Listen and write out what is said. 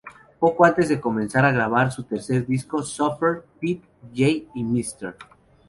Poco antes de comenzar a grabar su tercer disco, Suffer, Pete, Jay y Mr.